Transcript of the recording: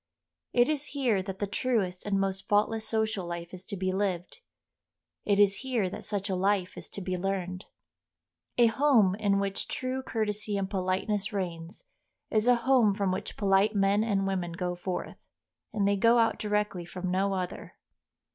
It is here that the truest and most faultless social life is to be lived; it is here that such a life is to be learned. A home in which true courtesy and politeness reigns is a home from which polite men and women go forth, and they go out directly from no other.